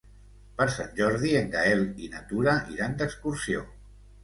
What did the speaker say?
Per Sant Jordi en Gaël i na Tura iran d'excursió.